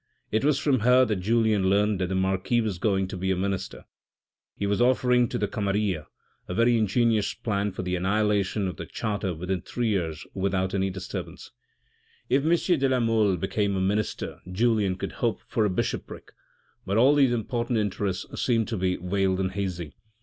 It was from her that Julien learned that the marquis was going to be a minister. He was offering to the Camarilla a very ingenious plan for the annihilation of the charter within three years without any disturbance. 4M THE RED AND THE BLACK If M. de la Mole became a minister, Julien could hope for a bishopric : but all these important interests seemed to be veiled and hazy.